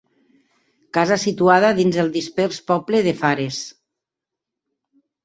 Casa situada dins el dispers poble de Fares.